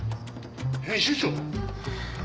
編集長？」